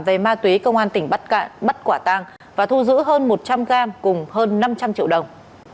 về ma túy công an tỉnh bắc quả tàng và thu giữ hơn một trăm linh gram cùng hơn năm trăm linh triệu đồng